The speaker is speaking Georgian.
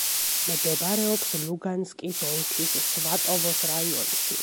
მდებარეობს ლუგანსკის ოლქის სვატოვოს რაიონში.